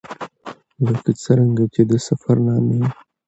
ـ لکه څرنګه چې د سفر نامې